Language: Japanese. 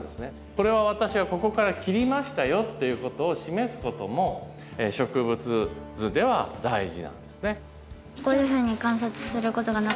これは私はここから切りましたよっていうことを示すことも植物図では大事なんですね。